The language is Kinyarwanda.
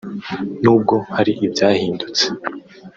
n’ubwo hari ibyahindutse